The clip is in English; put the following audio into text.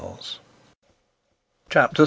CHAPTER VI.